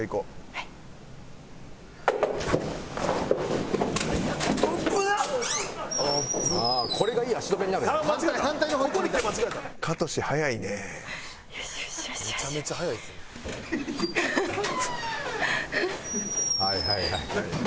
はいはいはいはい。